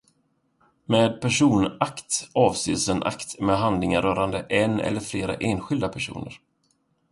Med personakt avses en akt med handlingar rörande en eller flera enskilda personer.